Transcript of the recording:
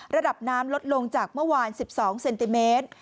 ระดับน้ำลดลงจากเมื่อวาน๑๒เซนติเมตร